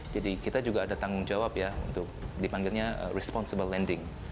kita juga ada tanggung jawab ya untuk dipanggilnya responsible landing